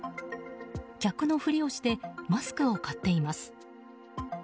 客のふりをしてマスクを買っています。